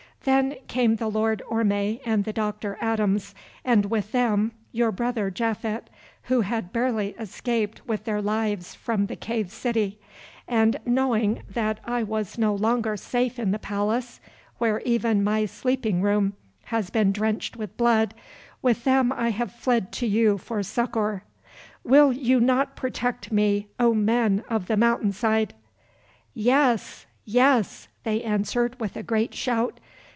Then came the Lord Orme and the Doctor Adams, and with them your brother Japhet, who had barely escaped with their lives from the cave city, and knowing that I was no longer safe in the palace, where even my sleeping room has been drenched with blood, with them I have fled to you for succour. Will you not protect me, O men of the mountain side?" "Yes, yes," they answered with a great shout.